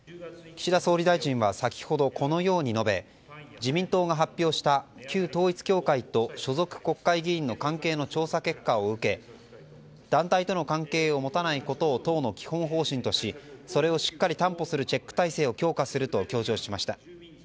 岸田総理大臣は先ほど、このように述べ自民党が発表した旧統一教会と所属国会議員の関係の調査結果を受け団体との関係を持たないことを党の基本方針としそれをしっかり担保するチェック体制を強化すると強調しました。